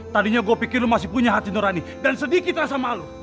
tadinya gue pikir lu masih punya hati nurani dan sedikit rasa malu